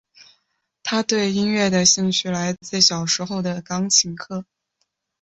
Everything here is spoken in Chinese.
她对音乐的兴趣来自小时候的钢琴课。